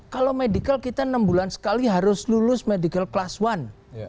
kalau medical kita enam bulan sekali harus lulus medical class one